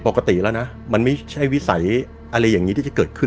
ปกติแล้วนะมันไม่ใช่วิสัยอะไรอย่างนี้ที่จะเกิดขึ้น